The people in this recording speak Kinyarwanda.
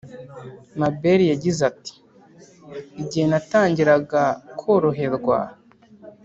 Mabel yagize ati igihe natangiraga koroherwa